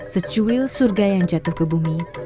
lalu lari lagi